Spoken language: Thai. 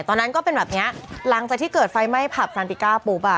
ตอนนั้นก็เป็นแบบเนี้ยหลังจากที่เกิดไฟไหม้ผับซานติก้าปุ๊บอ่ะ